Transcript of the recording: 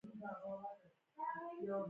لکه مصر، اردن او سوریه په دې ډله کې شامل دي.